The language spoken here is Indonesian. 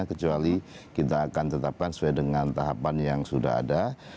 kecuali kita akan tetapkan sesuai dengan tahapan yang sudah ada